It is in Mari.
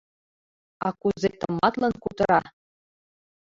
А кузе тыматлын кутыра.